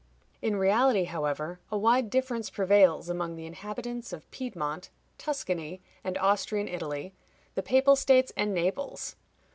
In reality, however, a wide difference prevails among the inhabitants of Piedmont, Tuscany, and Austrian Italy, the Papal States, and Naples.